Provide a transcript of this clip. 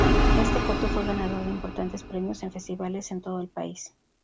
Este corto fue ganador de importantes premios en festivales en todo el país.